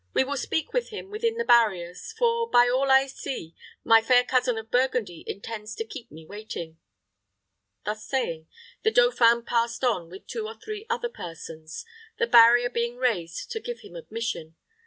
We will speak with him within the barriers; for, by all I see, my fair cousin of Burgundy intends to keep me waiting." Thus saying, the dauphin passed on with two or three other persons, the barrier being raised to give him admission.